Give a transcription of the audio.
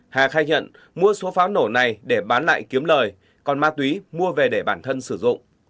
hà khai nhận mua số pháo nổ này để bán lại kiếm lời còn ma túy mua về để bản thân sử dụng